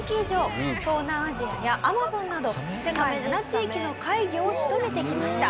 東南アジアやアマゾンなど世界７地域の怪魚を仕留めてきました。